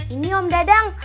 ini om dadang